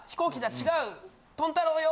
違う豚太郎よ！